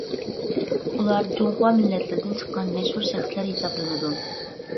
ئۇلار جۇڭخۇا مىللەتلىرىدىن چىققان مەشھۇر شەخسلەر ھېسابلىنىدۇ.